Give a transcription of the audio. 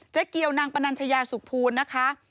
เกียวนางปนัญชยาสุขภูลนะคะ